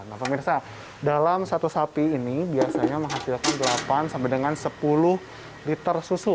nah pemirsa dalam satu sapi ini biasanya menghasilkan delapan sampai dengan sepuluh liter susu